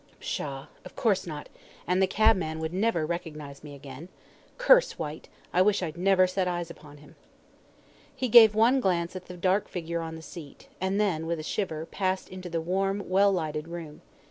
"Pshaw! of course not; and the cabman would never recognise me again. Curse Whyte, I wish I'd never set eyes upon him." He gave one glance at the dark figure on the seat, and then, with a shiver, passed into the warm, well lighted room.